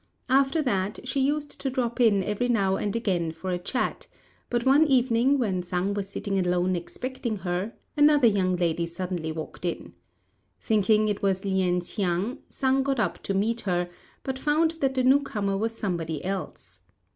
After that she used to drop in every now and again for a chat; but one evening when Sang was sitting alone expecting her, another young lady suddenly walked in. Thinking it was Lien hsiang, Sang got up to meet her, but found that the new comer was somebody else.